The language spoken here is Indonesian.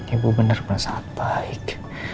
ibu benar benar sangat baik